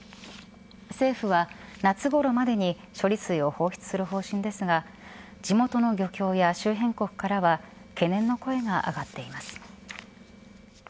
政府は夏ごろまでに処理水を放出する方針ですが地元の漁協や周辺国からは懸念の声が上がっています。